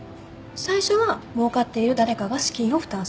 最初はもうかっている誰かが資金を負担する。